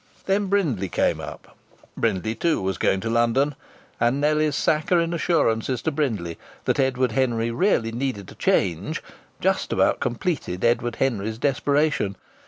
Then Brindley came up. Brindley, too, was going to London. And Nellie's saccharine assurances to Brindley that Edward Henry really needed a change just about completed Edward Henry's desperation.